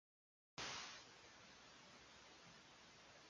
衛生紙面積大